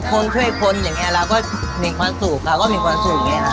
คนช่วยคนอย่างนี้เราก็มีความสุขเราก็มีความสุขอย่างนี้ค่ะ